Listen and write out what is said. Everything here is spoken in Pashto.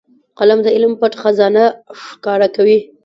قلم د علم پټ خزانه ښکاره کوي